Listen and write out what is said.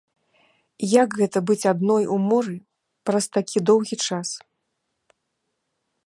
Як гэта быць адной у моры праз такі доўгі час?